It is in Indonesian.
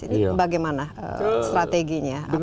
ini bagaimana strateginya